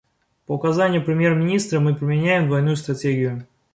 По указанию премьер-министра мы применяем двойную стратегию.